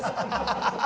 ハハハハ！